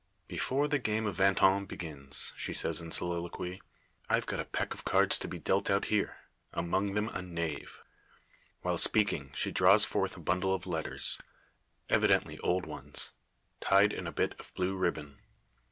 "Before the game of vingt un begins," she says in soliloquy, "I've got a pack of cards to be dealt out here among them a knave." While speaking, she draws forth a bundle of letters evidently old ones tied in a bit of blue ribbon.